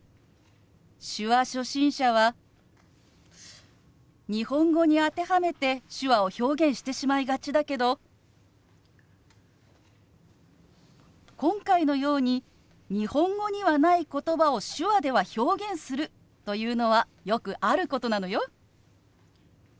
手話初心者は日本語に当てはめて手話を表現してしまいがちだけど今回のように日本語にはない言葉を手話では表現するというのはよくあることなのよ。